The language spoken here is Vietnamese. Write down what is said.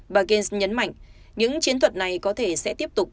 bà gan nhấn mạnh những chiến thuật này có thể sẽ tiếp tục